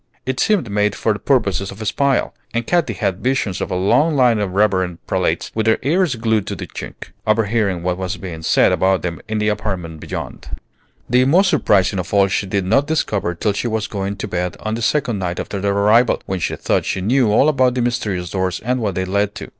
It seemed made for purposes of espial; and Katy had visions of a long line of reverend prelates with their ears glued to the chink, overhearing what was being said about them in the apartment beyond. The most surprising of all she did not discover till she was going to bed on the second night after their arrival, when she thought she knew all about the mysterious doors and what they led to.